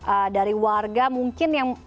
atau dari keluarga mungkin yang